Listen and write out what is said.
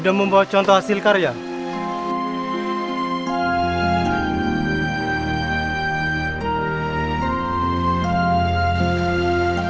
ia tidak akan datang ke k servet